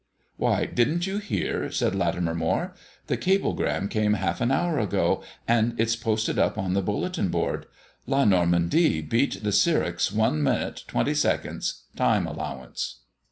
"Why, didn't you hear?" said Latimer Moire. "The cablegram came half an hour ago, and it's posted up on the bulletin board. La Normandie beat the Syrinx one minute twenty seconds, time allowance."